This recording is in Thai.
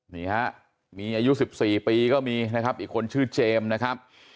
นี่ฮะมีอายุ๑๔ปีก็มีนะครับอีกคนชื่อเจมส์นะครับ